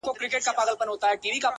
• سم ليونى سوم ـ